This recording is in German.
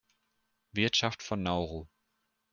Wirtschaft von Nauru,